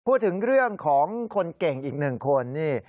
พูดถึงเรื่องของคนเก่งอีกหนึ่งคนนี่